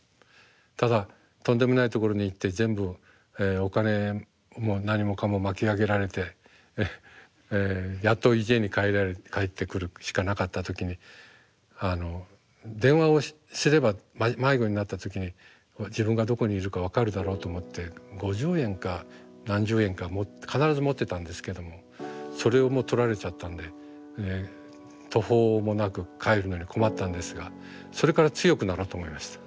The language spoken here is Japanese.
ただとんでもないところに行って全部お金も何もかも巻き上げられてやっと家に帰ってくるしかなかった時にあの電話をすれば迷子になった時に自分がどこにいるか分かるだろうと思って５０円か何十円か持って必ず持ってたんですけどもそれをもうとられちゃったんで途方もなく帰るのに困ったんですがそれから強くなろうと思いました。